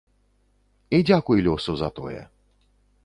І дзякуй лёсу за тое.